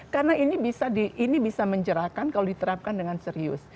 karena ini bisa menjerahkan kalau diterapkan dengan serius